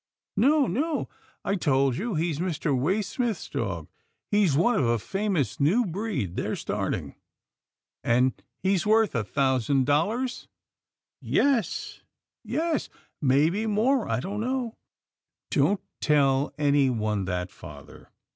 " No, no, I told you he's Mr. Waysmith's dog — he's one of a famous new breed they're starting." " And he's worth a thousand dollars? "" Yes, yes, maybe more — I don't know." " Don't tell anyone that, father.